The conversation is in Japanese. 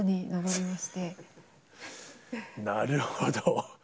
なるほど。